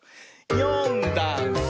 「よんだんす」